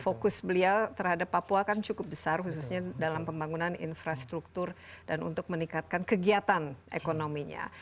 fokus beliau terhadap papua kan cukup besar khususnya dalam pembangunan infrastruktur dan untuk meningkatkan kegiatan ekonominya